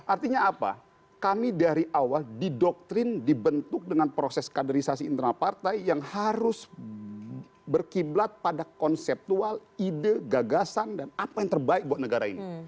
artinya apa kami dari awal didoktrin dibentuk dengan proses kaderisasi internal partai yang harus berkiblat pada konseptual ide gagasan dan apa yang terbaik buat negara ini